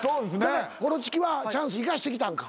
コロチキはチャンス生かしてきたんか？